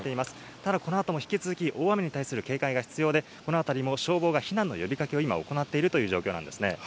ただ、このあとも引き続き大雨に対する警戒が必要で、この辺りも消防が避難の呼びかけを今、行っているという状況なんですね。